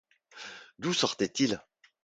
D’où sortaient-ils?